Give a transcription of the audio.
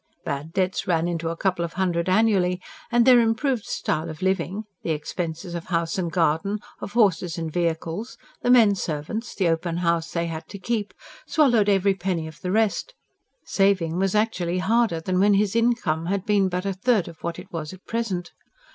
Bad debts ran to a couple of hundred annually; and their improved style of living the expenses of house and garden, of horses and vehicles, the men servants, the open house they had to keep swallowed every penny of the rest. Saving was actually harder than when his income had been but a third of what it was at present.